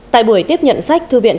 tại buổi tiếp nhận sách thư viện